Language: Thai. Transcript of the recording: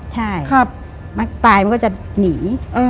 ใช่มักตายมันก็จะหนี